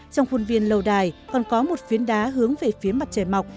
trong khuôn viên lâu đài còn có một phiến đá hướng về phía mặt trời mọc